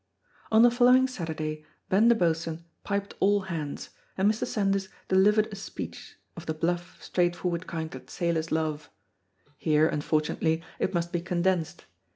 On the following Saturday, Ben the Boatswain piped all hands, and Mr. Sandys delivered a speech, of the bluff, straightforward kind that sailors love. Here, unfortunately, it must be condensed.